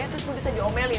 terus gue bisa diomelin